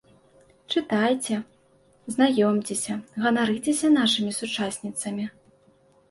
Чытайце, знаёмцеся, ганарыцеся нашымі сучасніцамі!